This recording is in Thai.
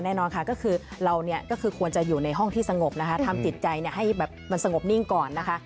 แน่นอนค่ะก็คือเราเนี่ยก็คือควรจะอยู่ในห้องที่สงบนะคะทำจิตใจให้แบบมันสงบนิ่งก่อนนะคะ